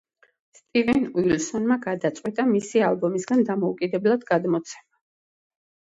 სტივენ უილსონმა გადაწყვიტა მისი ალბომისგან დამოუკიდებლად გამოცემა.